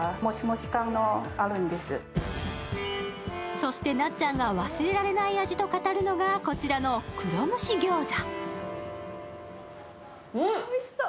そして、なっちゃんが忘れられない味と語るのがこちらの黒蒸し餃子。